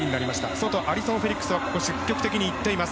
外のアリソン・フェリックスは積極的にいっています。